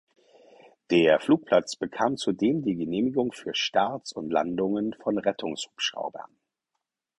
Der Flugplatz bekam zudem die Genehmigung für Starts und Landungen von Rettungshubschraubern.